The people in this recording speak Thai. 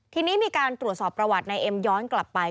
ทีนี้มีการตรวจสอบประวัตินายเอ็มย้อนกลับไป